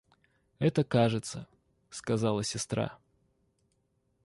— Это кажется, — сказала сестра.